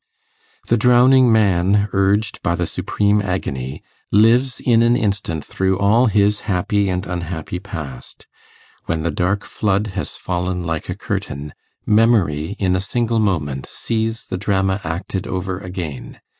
The drowning man, urged by the supreme agony, lives in an instant through all his happy and unhappy past: when the dark flood has fallen like a curtain, memory, in a single moment, sees the drama acted over again.